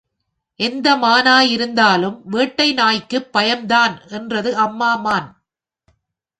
எந்த மானாயிருந்தாலும் வேட்டை நாய்க்குப் பயம்தான் என்றது அம்மா மான்.